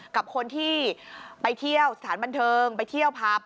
กับคนที่ไปเที่ยวสถานบันเทิงไปเที่ยวผับ